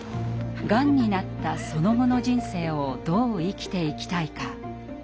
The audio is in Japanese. がんになったその後の人生をどう生きていきたいか。